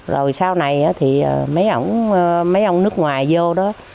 rồi sau này thì mấy ông nước ngoài vô đó